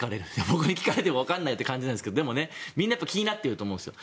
僕に聞かれてもわからないという感じですがでも、みんな気になってると思うんですよ。